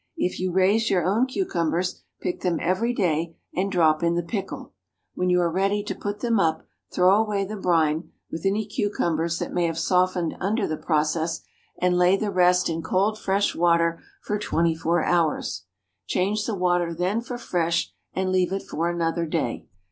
If you raise your own cucumbers, pick them every day, and drop in the pickle. When you are ready to put them up, throw away the brine, with any cucumbers that may have softened under the process, and lay the rest in cold fresh water for twenty four hours. Change the water then for fresh, and leave it for another day.